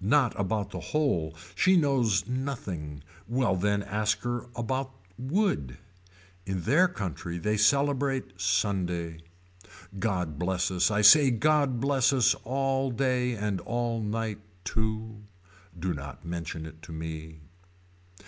Not about the whole. She knows nothing. Well then why ask her about wood. In their country they celebrate Sunday. God bless us I say God bless us all day and all night too. Do not mention it to me.